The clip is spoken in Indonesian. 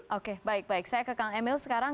oke baik baik saya ke kang emil sekarang